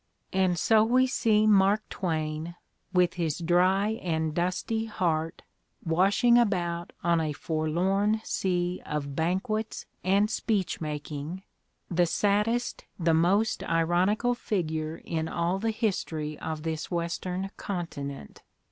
And so we see Mark Twain, with his "dry and dusty '"^ heart, "washing about on a forlorn sea of banquets and speech making," the saddest, the most ironical figure in all the history of this Western continent.